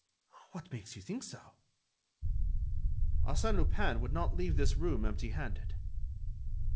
"What makes you think so?" "Arsène Lupin would not leave this room empty handed."